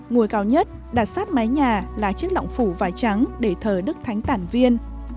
ngồi cao nhất đặt sát mái nhà là chiếc lọng phủ vài trắng để thờ đức thánh tản viên